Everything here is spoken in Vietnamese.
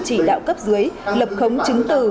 chỉ đạo cấp dưới lập khống chứng từ